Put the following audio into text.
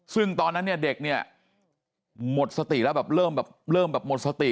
ซึ่งตอนนั้นเนี่ยเด็กเนี่ยหมดสติแล้วแบบเริ่มแบบเริ่มแบบหมดสติ